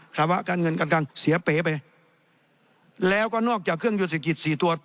ภาวะการเงินการคังเสียเป๋ไปแล้วก็นอกจากเครื่องยนเศรษฐกิจสี่ตัว